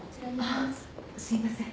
あっすいません。